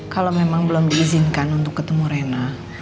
kalau memang belum diizinkan untuk ketemu rena